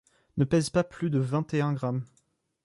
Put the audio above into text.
Ne pèse pas plus de vingt et un grammes.